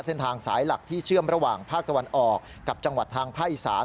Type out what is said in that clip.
เส้นทางสายหลักที่เชื่อมระหว่างภาคตะวันออกกับจังหวัดทางภาคอีสาน